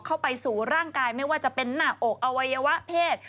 เข้าไปสู่ร่างกายไม่ว่าจะเป็นหน้าอกอวัยวะเพศ